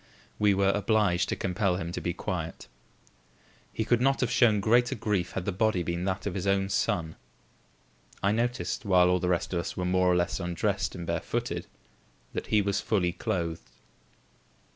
We were obliged to compel him to be quiet. He could not have shown greater grief had the body been that of his own son. I noticed, while all the rest of us were more or less undressed and barefooted, that he was fully clothed.